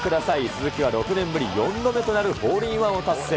鈴木は６年ぶり４度目となるホールインワンを達成。